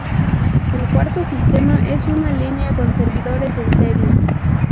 El cuarto sistema, es una línea con servidores en serie.